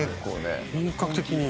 本格的に。